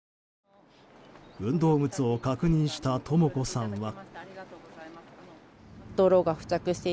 運動靴を確認したとも子さんは。